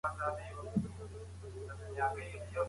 نادان وروسته پښېمانه سي